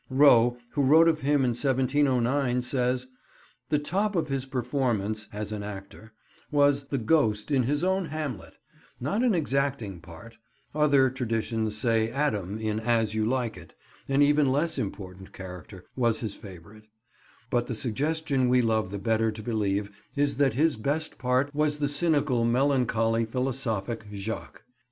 Rowe, who wrote of him in 1709 says: "The top of his performance (as an actor) was the Ghost in his own Hamlet"; not an exacting part; other traditions say Adam in As You Like It, an even less important character, was his favourite; but the suggestion we love the better to believe is that his best part was the cynical, melancholy, philosophic Jaques.